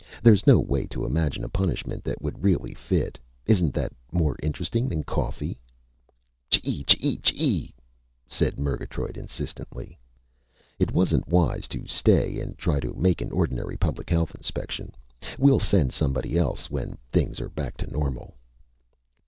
There's no way to imagine a punishment that would really fit! Isn't that more interesting than coffee?" "Chee! Chee! Chee!" said Murgatroyd insistently. "It wasn't wise to stay and try to make an ordinary public health inspection. We'll send somebody else when things are back to normal."